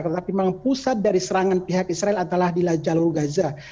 tetapi memang pusat dari serangan pihak israel adalah di jalur gaza